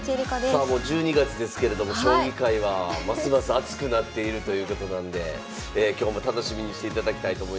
さあもう１２月ですけれども将棋界はますます熱くなっているということなんで今日も楽しみにしていただきたいと思います。